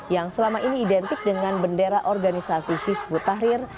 yang selama ini identik dengan bendera organisasi hizbut tahrir